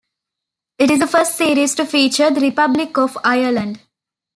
It is the first series to feature the Republic of Ireland.